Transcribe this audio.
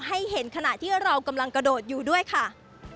ให้เห็นขณะที่เรากำลังกระโดดอยู่ด้วยค่ะ